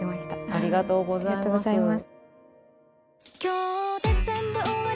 ありがとうございます。